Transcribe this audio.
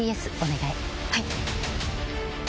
はい。